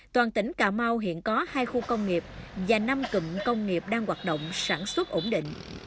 toàn tỉnh cà mau hiện có hai khu công nghiệp và năm cụm công nghiệp đang hoạt động sản xuất ổn định